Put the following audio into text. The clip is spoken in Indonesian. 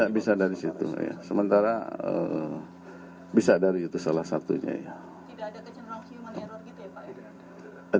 bisa dari situ sementara bisa dari itu salah satunya